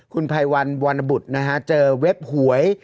คุณไปวันทางวันบุฒินะฮะเจอเว็บหวย